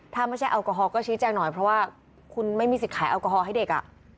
ถ้าไม่ใช่แอลกอฮอลก็ชี้แจงหน่อยเพราะว่าคุณไม่มีสิทธิ์ขายแอลกอฮอลให้เด็ก